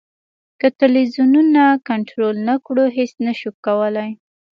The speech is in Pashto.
که ټلویزیونونه کنټرول نه کړو هېڅ نه شو کولای.